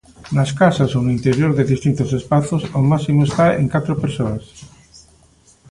Nas casas ou no interior de distintos espazos o máximo está en catro persoas.